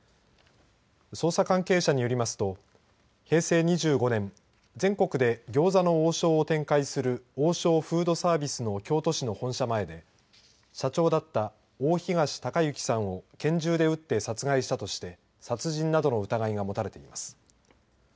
捜査関係者によりますと平成２５年全国で餃子の王将を展開する王将フードサービスの京都市の本社前で社長だった大東隆行さんを拳銃で撃って殺害したとして殺人などの疑いが持たれています。